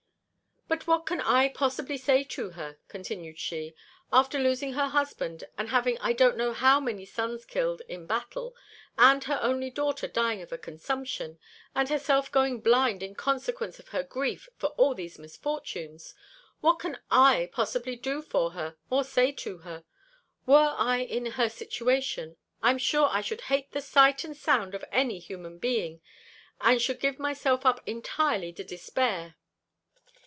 "But what can I possibly say to her," continued she, "after losing her husband, and having I don't know how many sons killed in battle, and her only daughter dying of a consumption, and herself going blind in consequence of her grief for all these misfortunes what can I possibly do for her, or say to her? Were I in her situation, I'm sure I should hate the sight and sound of any human being, and should give myself up entirely to despair."